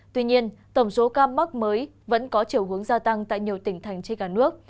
tuy nhiên tổng số ca mắc mới vẫn có chiều hướng gia tăng tại nhiều tỉnh thành trên cả nước